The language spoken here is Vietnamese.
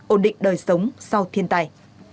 ổn định đời sống sau thiên tai